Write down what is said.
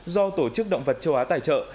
do tổ chức động vật châu á tài trợ